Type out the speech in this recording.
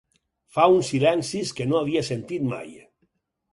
Fa uns silencis que no havia sentit mai.